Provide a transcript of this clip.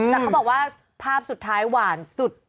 แต่เขาบอกว่าภาพสุดท้ายหวานสุด